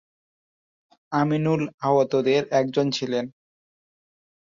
আমিনুল আহতদের একজন ছিলেন।